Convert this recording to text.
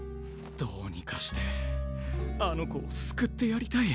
どうにかしてあの子を救ってやりたい。